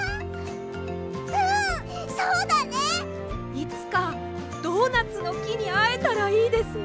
いつかドーナツのきにあえたらいいですね。